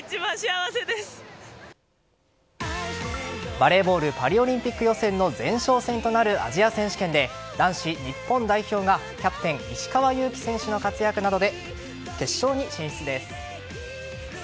バレーボールパリオリンピック予選の前哨戦となるアジア選手権で男子日本代表がキャプテン石川祐希選手の活躍などで決勝に進出です。